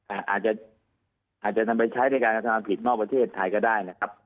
อาจจะอาจจะนำไปใช้ในการกระทำผิดนอกประเทศไทยก็ได้นะครับ